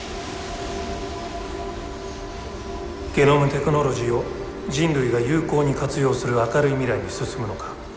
ゲノムテクノロジーを人類が有効に活用する明るい未来に進むのか。